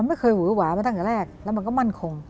ไม่เคยหวือหวามาตั้งแต่แรกแล้วมันก็มั่นคง